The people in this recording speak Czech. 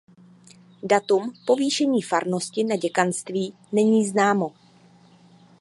Datum povýšení farnosti na děkanství není známo.